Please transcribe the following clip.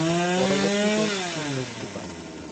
পরবর্তীতে, তিনি মুক্তি পান।